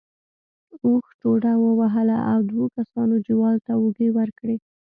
اوښ ټوډه ووهله او دوو کسانو جوال ته اوږې ورکړې.